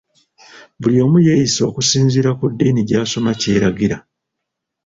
Buli omu yeeyise okusinziira ku ddiini gy’asoma kyeragira.